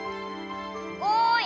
・おい！